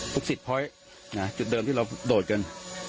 สิบพอยต์จุดเดิมที่เราโดดกัน